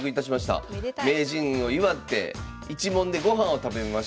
名人を祝って一門で御飯を食べました。